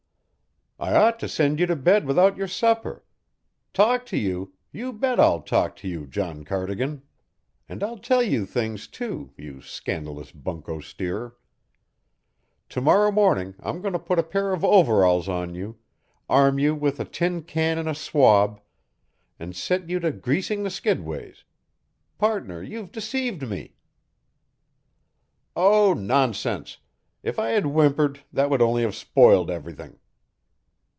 "I ought to send you to bed without your supper. Talk to you? You bet I'll talk to you, John Cardigan; and I'll tell you things, too, you scandalous bunko steerer. To morrow morning I'm going to put a pair of overalls on you, arm you with a tin can and a swab, and set you to greasing the skidways. Partner, you've deceived me." "Oh, nonsense. If I had whimpered, that would only have spoiled everything."